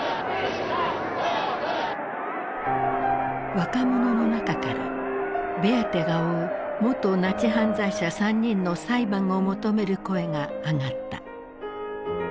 若者の中からベアテが追う元ナチ犯罪者３人の裁判を求める声が上がった。